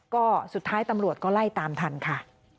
ก็สุดท้ายตำรวจก็ไล่ตามทันค่ะ